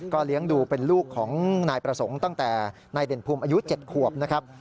เลี้ยงดูเป็นลูกของนายประสงค์ตั้งแต่นายเด่นภูมิอายุ๗ขวบนะครับ